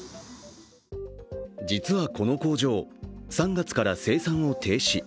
実はこの工場、３月から生産を停止。